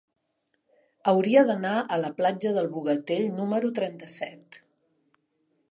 Hauria d'anar a la platja del Bogatell número trenta-set.